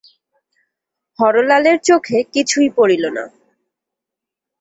হরলালের চোখে কিছুই পড়িল না।